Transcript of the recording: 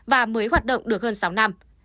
và mới hoạt động được hơn sáu năm